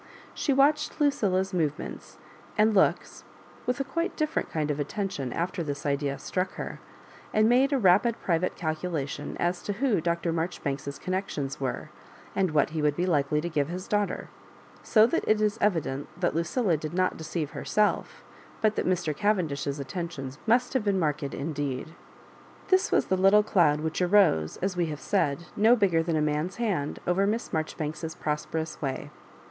She watched Lucilla's movements and looks with a quite different kind of attention afler this idea struck her, and made a rapid private caknilatioa as to who Dr. Marjoribanks's connections were, and what he would be likely to give his daugh ter ; so that it is evident that Lucilla did not de ceive herself, but that Mr. Cavendish's attentions must have been marked indeed. This was the little cloud which arose, as we have said, no bigger than a man's hand, over Miss Marjoribanks's prosperous way.